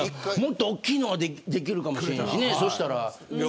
もっと大きいのができるかもしれんしね、そしたら。